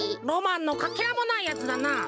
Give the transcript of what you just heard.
ロマンのかけらもないやつだな。